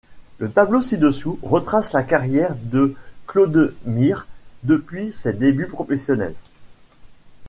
Le tableau ci-dessous retrace la carrière de Claudemir depuis ses débuts professionnels.